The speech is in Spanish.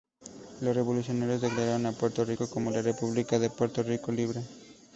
Los revolucionarios declararon a Puerto Rico como la "República de Puerto Rico" libre.